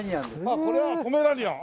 あっこれはポメラニアン！